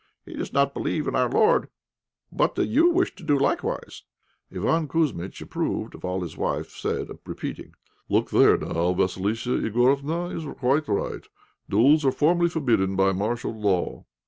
He does not believe in our Lord! But do you wish to do likewise?" Iván Kouzmitch approved of all his wife said, repeating "Look there, now, Vassilissa Igorofna is quite right duels are formally forbidden by martial law."